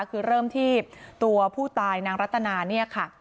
คือเริ่มที่ตัวผู้ตายนางรัตนาเนี่ยค่ะ